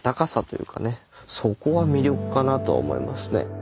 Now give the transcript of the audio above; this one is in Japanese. そこは魅力かなとは思いますね。